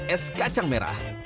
es kacang merah